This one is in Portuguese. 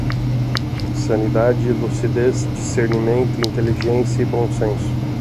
Sanidade, lucidez, discernimento, inteligência e bom senso